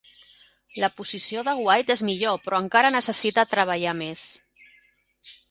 La posició de White és millor, però encara necessita treballar més.